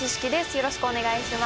よろしくお願いします。